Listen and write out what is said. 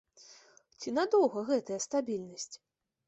Ці надоўга гэтая стабільнасць?